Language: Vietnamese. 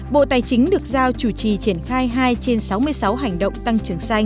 bộ tài chính được giao chủ trì triển khai hai trên sáu mươi sáu hành động tăng trưởng xanh